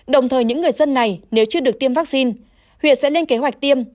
đồng thời những người dân này nếu chưa được tiêm vaccine huyện sẽ lên kế hoạch tiêm